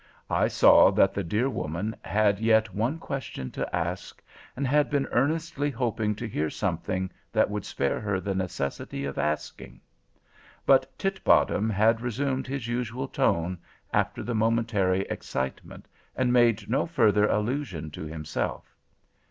I saw that the dear woman had yet one question to ask, and had been earnestly hoping to hear something that would spare her the necessity of asking. But Titbottom had resumed his usual tone, after the momentary excitement, and made no further allusion to himself.